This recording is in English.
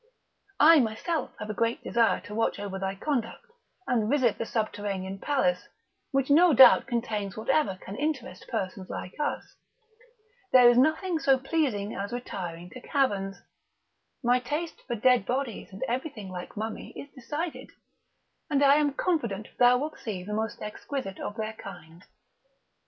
I myself have a great desire to watch over thy conduct, and visit the subterranean palace, which no doubt contains whatever can interest persons like us; there is nothing so pleasing as retiring to caverns; my taste for dead bodies and everything like mummy is decided; and I am confident thou wilt see the most exquisite of their kind.